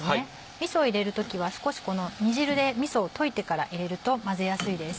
みそを入れる時は少しこの煮汁でみそを溶いてから入れると混ぜやすいです。